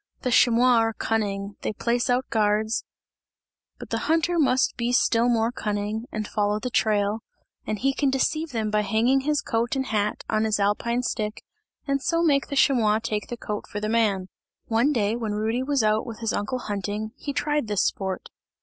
The chamois are cunning, they place out guards but the hunter must be still more cunning and follow the trail and he can deceive them by hanging his coat and hat on his alpine stick, and so make the chamois take the coat for the man. One day when Rudy was out with his uncle hunting, he tried this sport.